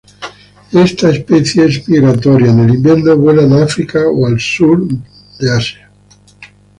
Esta especie es migratoria; en el invierno vuelan a África o al sur Asia.